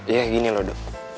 ya gini loh duit